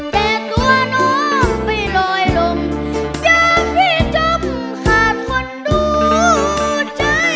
แต่ตัวน้องไม่ลอยลมอย่างที่จมขาดคนดูใจ